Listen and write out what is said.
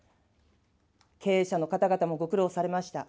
経営者の方々もご苦労されました。